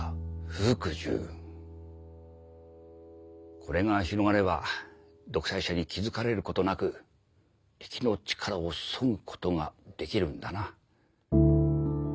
これが広がれば独裁者に気付かれることなく敵の力をそぐことができるんだな。